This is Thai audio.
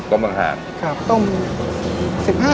ต้มทั้งหาด